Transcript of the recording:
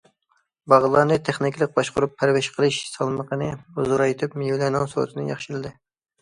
باغلارنى تېخنىكىلىق باشقۇرۇپ، پەرۋىش قىلىش سالمىقىنى زورايتىپ، مېۋىلەرنىڭ سورتىنى ياخشىلىدى.